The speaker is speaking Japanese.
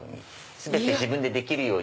全て自分でできるように。